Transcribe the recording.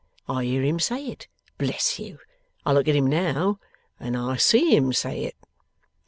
I hear him say it, bless you! I look at him, now, and I see him say it!